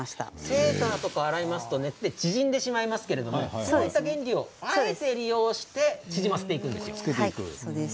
セーターとか洗いますと熱で縮んでしまいますけれどもそういった原理をあえて利用して縮ませていくんです。